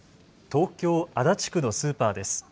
東京足立区のスーパーです。